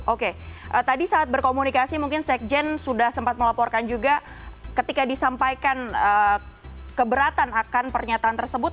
oke tadi saat berkomunikasi mungkin sekjen sudah sempat melaporkan juga ketika disampaikan keberatan akan pernyataan tersebut